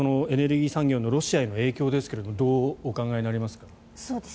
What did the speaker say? エネルギー産業のロシアへの影響ですがどうお考えになりますか。